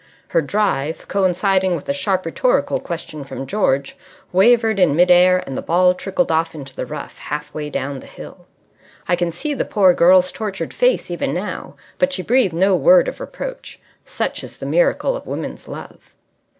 Her drive, coinciding with a sharp rhetorical question from George, wavered in mid air, and the ball trickled off into the rough half way down the hill. I can see the poor girl's tortured face even now. But she breathed no word of reproach. Such is the miracle of women's love.